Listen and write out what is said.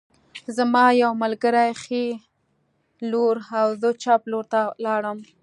زما یو ملګری ښي لور او زه چپ لور ته لاړم